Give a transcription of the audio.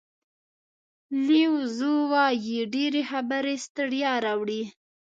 لیو زو وایي ډېرې خبرې ستړیا راوړي.